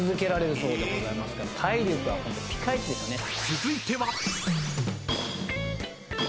［続いては］